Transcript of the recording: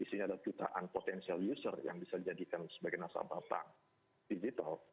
di sini ada jutaan potensial user yang bisa dijadikan sebagai nasabah bank digital